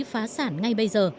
phá sản ngay bây giờ